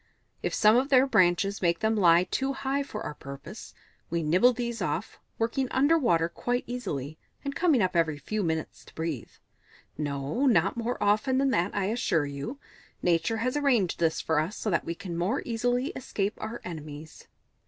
If some of their branches make them lie too high for our purpose, we nibble these off, working under water quite easily, and coming up every few minutes to breathe. (No not more often than that, I assure you. Nature has arranged this for us, so that we can more easily escape our enemies.)